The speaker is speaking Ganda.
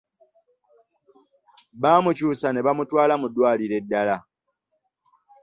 Baamukyusa ne bamutwala mu ddwaliro eddala.